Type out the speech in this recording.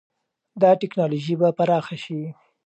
دا ټکنالوژي به پراخه شي.